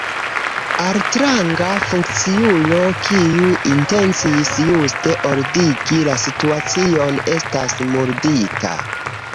Altranga funkciulo, kiu intencis juste ordigi la situacion, estas murdita.